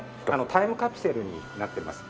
タイムカプセルになってます。